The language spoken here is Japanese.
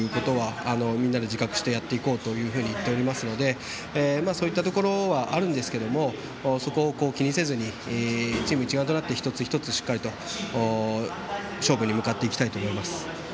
そういった伝統のあるそういうチームだということはみんなで自覚してやっていこうというふうにやっておりますのでそういうところもあるんですけどそこを気にせずにチーム一丸となって一つ一つしっかりと勝負に向かっていきたいと思います。